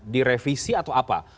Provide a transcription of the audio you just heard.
direvisi atau apa